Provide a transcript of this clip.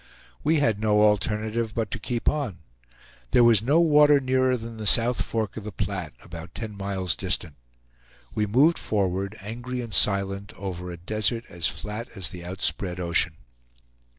We had no alternative but to keep on. There was no water nearer than the South Fork of the Platte, about ten miles distant. We moved forward, angry and silent, over a desert as flat as the outspread ocean.